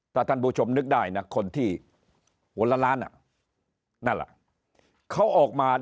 ถ้าท่านผู้ชมนึกได้นะคนที่หัวละล้านนั่นแหละเขาออกมา